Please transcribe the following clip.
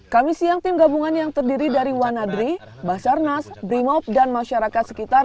kami siang tim gabungan yang terdiri dari wanadri basarnas brimob dan masyarakat sekitar